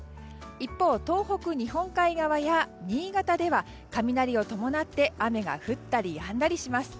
一方、東北日本海側や新潟では雷を伴って雨が降ったりやんだりします。